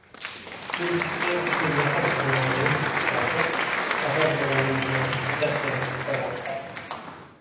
Bu ikki teng kuchli mehr tugʻyonining kurashi sabab bolaning yuragi shiddat bilan tepa boshladi.